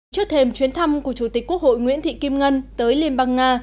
trước thêm chuyến thăm của chủ tịch quốc hội nguyễn thị kim ngân tới liên bang nga